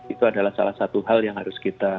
itu adalah salah satu hal yang harus kita